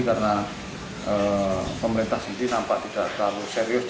karena pemerintah sendiri nampak tidak terlalu serius